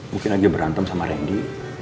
mungkin aja berantem sama randy